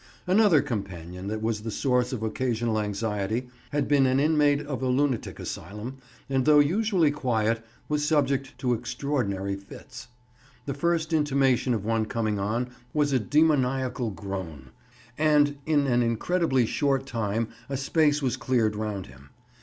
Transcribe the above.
Another companion that was the source of occasional anxiety, had been an inmate of a lunatic asylum, and though usually quiet, was subject to extraordinary fits. The first intimation of one coming on was a demoniacal groan, and in an incredibly short time a space was cleared round him.